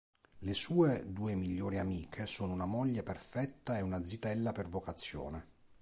Le sue due migliori amiche sono una moglie perfetta e una zitella per vocazione.